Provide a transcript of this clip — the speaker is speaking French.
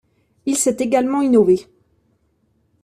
Il sait également innover.